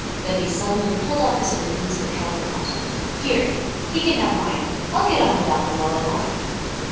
Then he suddenly pulled off his mittens and held them out. "Here he can have mine. I'll get on without them well enough."